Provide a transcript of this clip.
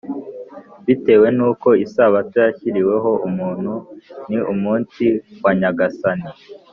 bitewe n’uko isabato yashyiriweho umuntu, ni umunsi wa nyagasani